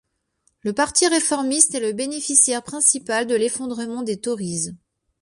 Le Parti réformiste est le bénéficiaire principal de l'effondrement des tories.